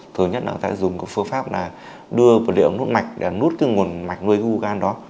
thứ nhất là dùng phương pháp đưa liệu nút mạch để nút nguồn mạch nuôi ung thư gan đó